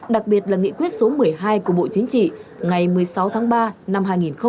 đặc biệt là nghị quyết số một mươi hai của bộ chính trị ngày một mươi sáu tháng ba năm hai nghìn một mươi chín